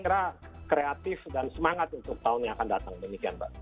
saya kira kreatif dan semangat untuk tahun yang akan datang demikian mbak